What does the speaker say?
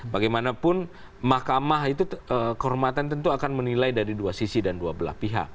bagaimanapun makamah itu kehormatan tentu akan menilai dari dua sisi dan dua belah pihak